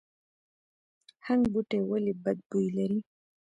هنګ بوټی ولې بد بوی لري؟